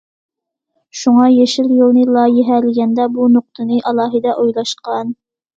شۇڭا يېشىل يولنى لايىھەلىگەندە، بۇ نۇقتىنى ئالاھىدە ئويلاشقان.